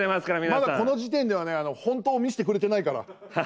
まだ、この時点ではね本当を見せてくれてないから。